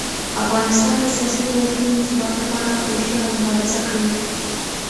افغانستان د سیاسي جوړښتونو د ثبات لپاره اوږده مبارزه کوي